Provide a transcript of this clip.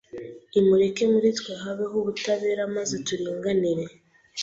imureke muri twe habeho ubutabera maze turinganire